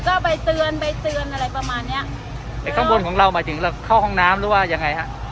ก็ไปเตือนไปเตือนอะไรประมาณเนี้ยแต่ข้างบนของเราหมายถึงเราเข้าห้องน้ำหรือว่ายังไงฮะ